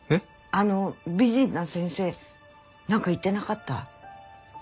あの美人の先生なんか言ってなかった？